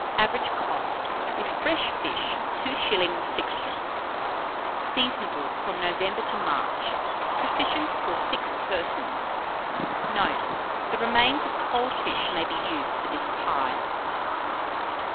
Average cost, with fresh fish, 2s. 6d. Seasonable from November to March. Sufficient for 6 persons. Note. The remains of cold fish may be used for this pie.